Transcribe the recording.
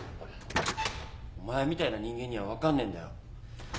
お前みたいな人間には分かんねえんだよ。